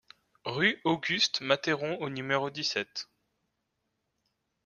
Rue Auguste Matheron au numéro dix-sept